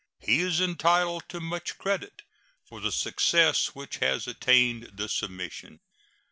He is entitled to much credit for the success which has attended the submission.